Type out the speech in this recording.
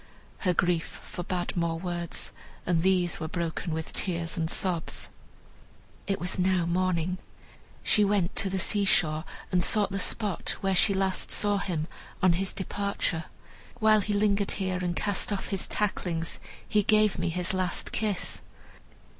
Her grief forbade more words, and these were broken with tears and sobs. It was now morning. She went to the seashore, and sought the spot where she last saw him, on his departure. "While he lingered here, and cast off his tacklings, he gave me his last kiss."